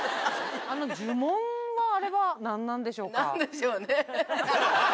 あの呪文はあれは何なんでしょうか？